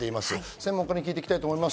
専門家に聞いていきます。